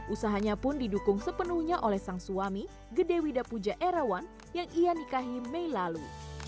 usahanya pun didukung sepenuhnya oleh sang suami gede widapuja erawan yang ia nikahi mei lalu